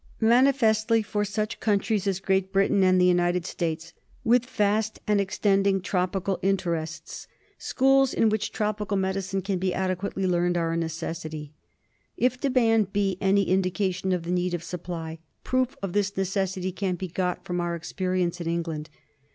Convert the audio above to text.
Manifestly for such countries as Great Britain and the United States, with vast and extending tropical interests, schools in which tropical medicine can be adequately learned are a necessity. If demand be any indication of the need of supply, proof of this necessity can be got from our experience in England.